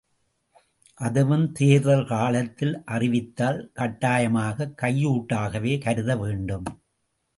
அதுவும் தேர்தல் காலத்தில் அறிவித்தால் கட்டாயமாகக் கையூட்டாகவே கருத வேண்டும்.